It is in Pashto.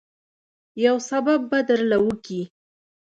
يو سبب به درله وکي.